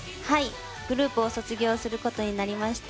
グループを卒業することになりまして。